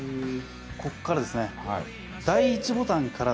ここからですね。